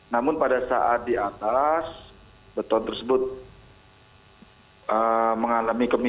namun pada saat di atas beton tersebut mengalami kemis